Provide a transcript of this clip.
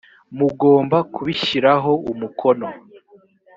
mugomba kubishyiraho umukono